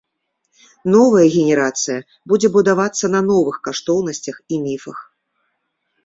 Новая генерацыя будзе будавацца на новых каштоўнасцях і міфах.